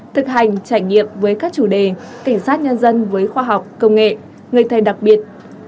thực hành trải nghiệm với các chủ đề cảnh sát nhân dân với khoa học công nghệ người thầy đặc biệt